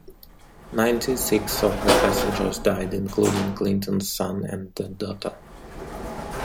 Ninety-six of the passengers died, including Clinton's son and a daughter.